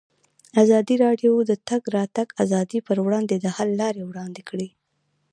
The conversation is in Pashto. ازادي راډیو د د تګ راتګ ازادي پر وړاندې د حل لارې وړاندې کړي.